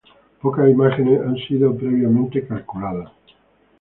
Pocas imágenes han sido previamente calculadas.